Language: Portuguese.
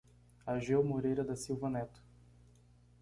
Ageu Moreira da Silva Neto